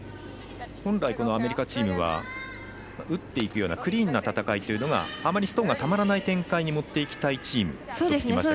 本来アメリカチームは打っていくようなクリーンな戦いというのがあまりストーンがたまらない展開に持っていきたいチームと聞きましたが。